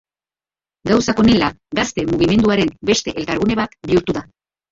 Gauzak honela, gazte mugimenduaren beste elkargune bat bihurtu da.